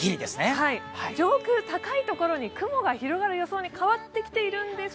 上空高い所に雲が広がる予想に変わってきているんです。